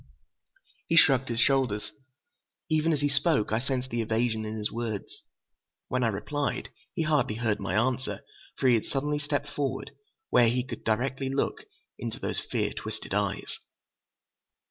He shrugged his shoulders. Even as he spoke, I sensed the evasion in his words. When I replied, he hardly heard my answer, for he had suddenly stepped forward, where he could look directly into those fear twisted eyes.